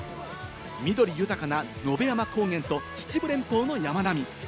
緑豊かな野辺山高原と秩父連峰の山並み。